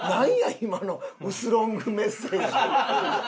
今の薄ロングメッセージ。